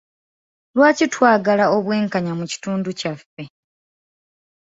Lwaki twagala obwenkanya mu kitundu kyaffe?